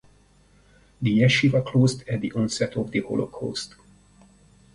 The yeshiva closed at the onset of the Holocaust.